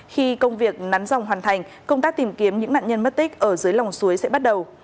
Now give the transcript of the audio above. khi công việc nắn dòng hoàn thành công tác tìm kiếm những nạn nhân mất tích ở dưới lòng suối sẽ bắt đầu